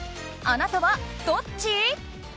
あなたはどっち？